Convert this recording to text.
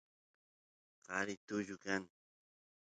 qari tullu kan